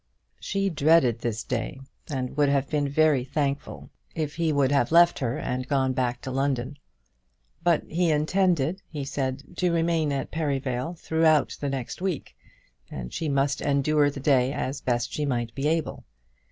She dreaded this day, and would have been very thankful if he would have left her and gone back to London. But he intended, he said, to remain at Perivale throughout the next week, and she must endure the day as best she might be able.